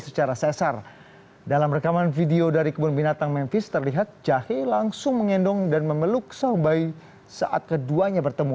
secara sesar dalam rekaman video dari kebun binatang mempis terlihat jahe langsung mengendong dan memeluk sang bayi saat keduanya bertemu